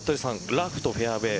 ラフとフェアウエー